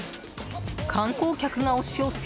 観光客が押し寄せ